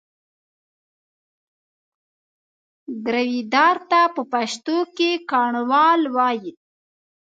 ګرويدار ته په پښتو کې ګاڼهوال وایي.